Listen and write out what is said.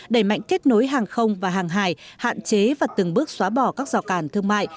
đẩy mạnh kết nối hàng không và hàng hải hạn chế và từng bước xóa bỏ các rào cản thương mại